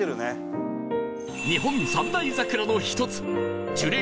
日本三大桜の１つ樹齢